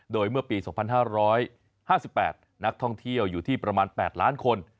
โดยเมื่อปี๒๕๕๘นักท่องเที่ยวอยู่ที่ประมาณ๘ล้านคน